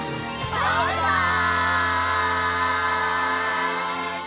バイバイ！